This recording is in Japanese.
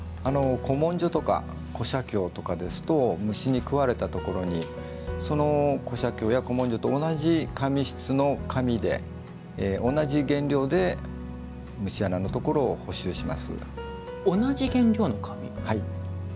古文書とかですと虫で食われたところにその古写経や古文書と同じ紙質の紙で同じ原料で虫穴のところを補修します。